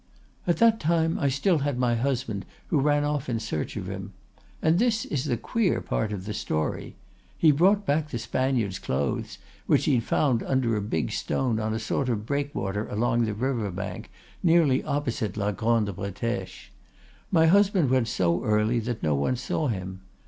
"'At that time I still had my husband, who ran off in search of him. And this is the queer part of the story: he brought back the Spaniard's clothes, which he had found under a big stone on a sort of breakwater along the river bank, nearly opposite la Grande Bretèche. My husband went so early that no one saw him.